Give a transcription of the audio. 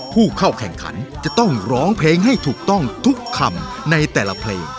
ผู้เข้าแข่งขันจะต้องร้องเพลงให้ถูกต้องทุกคำในแต่ละเพลง